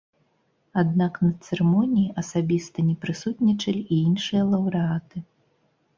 Аднак на цырымоніі асабіста не прысутнічалі і іншыя лаўрэаты.